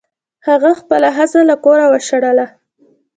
هغه خپله ښځه له کوره وشړله.